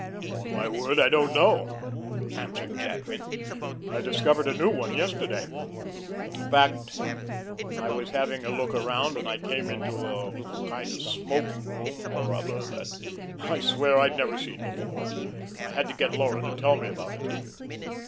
"Upon my word, I don't know," answered Jadwin. "I discovered a new one yesterday. Fact. I was having a look around, and I came out into a little kind of smoking room or other that, I swear, I'd never seen before. I had to get Laura to tell me about it."